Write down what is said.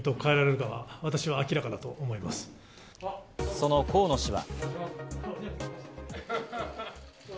その河野氏は。